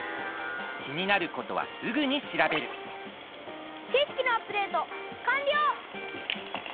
きになることはすぐにしらべるちしきのアップデートかんりょう！